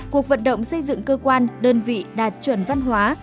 cuộc vận động xây dựng cơ quan đơn vị đạt chuẩn văn hóa